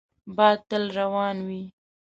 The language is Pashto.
باد تل روان وي